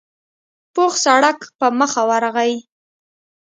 پوخ سړک په مخه ورغی.